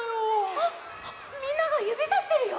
あっみんながゆびさしてるよ！